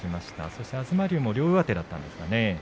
そして、東龍も両上手だったんですよね。